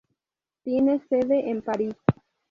Tiene sede en París.